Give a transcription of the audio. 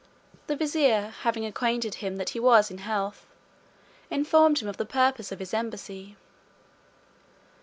The vizier having acquainted him that he was in health, informed him of the purpose of his embassy.